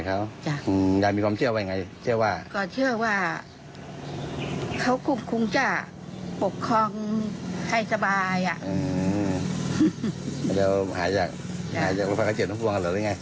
คุณยายบอกไม่อยากให้มารบกวน